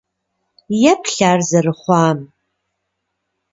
Еплъ ар зэрыхъуам!